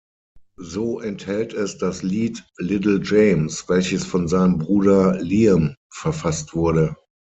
So enthält es das Lied "Little James", welches von seinem Bruder Liam verfasst wurde.